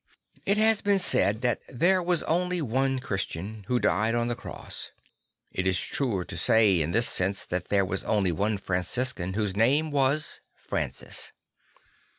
It has been said that there was only one Christian, who died on the cross; it is truer to say in this sense that there was only one Franciscan, whose name was Francis.